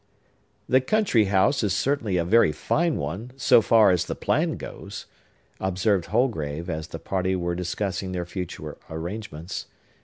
"The country house is certainly a very fine one, so far as the plan goes," observed Holgrave, as the party were discussing their future arrangements.